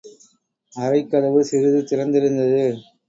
அறைக்கதவு சிறிது திறந்திருந்தது.